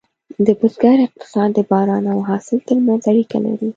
د بزګر اقتصاد د باران او حاصل ترمنځ اړیکه لري.